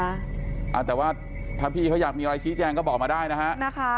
แต่ว่าถ้าพี่เขาอยากมีอะไรชี้แจงก็บอกมาได้นะฮะ